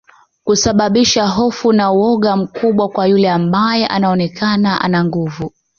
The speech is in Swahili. Kusababisha hofu na woga mkubwa kwa yule ambae anaonekana ana nguvu